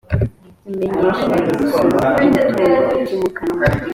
imenyesha ry umusoro ku mutungo utimukanwa